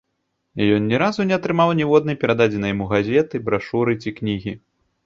Ён ні разу не атрымаў ніводнай перададзенай яму газеты, брашуры ці кнігі.